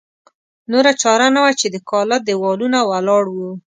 نوره چاره نه وه چې د کاله دېوالونه ولاړ وو.